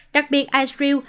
đặc biệt israel